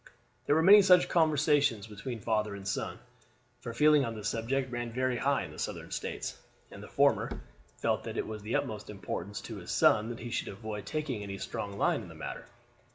There were many such conversations between father and son, for feeling on the subject ran very high in the Southern States, and the former felt that it was of the utmost importance to his son that he should avoid taking any strong line in the matter.